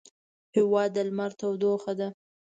هېواد د لمر تودوخه ده.